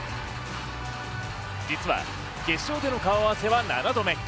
実は、決勝での顔合わせは７度目。